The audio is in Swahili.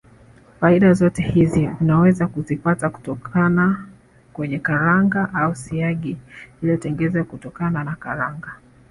Faida zote hizi unaweza kuzipata kutoka kwenye karanga au siagi iliyotengenezwa kutokana na karanga